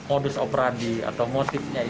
modus operandi atau modus operandi